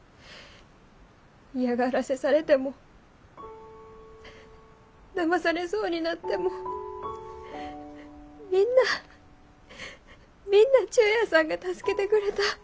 嫌がらせされてもだまされそうになってもみんなみんな忠弥さんが助けてくれた。